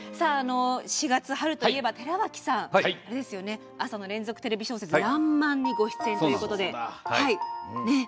４月、春といえば寺脇さん、朝の連続テレビ小説「らんまん」にご出演ということで。